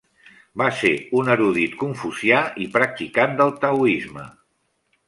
Va ser un erudit confucià i practicant del taoisme.